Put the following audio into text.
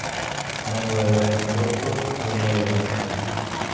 Más vale lápiz corto que memoria larga.